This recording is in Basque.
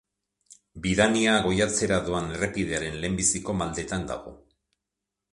Bidania-Goiatzera doan errepidearen lehenbiziko maldetan dago.